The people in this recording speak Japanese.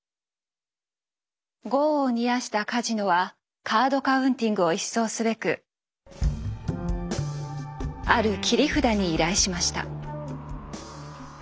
業を煮やしたカジノはカード・カウンティングを一掃すべくある切り札に依頼しました。